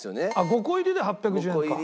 ５個入りで８１０円か。